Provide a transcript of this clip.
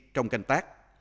trong canh tác